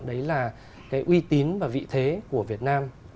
đấy là cái uy tín và vị thế của việt nam